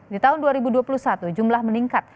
di tahun dua ribu dua puluh satu jumlah meningkat